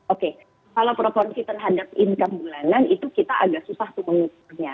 oke kalau proporsi terhadap income bulanan itu kita agak susah tuh mengukurnya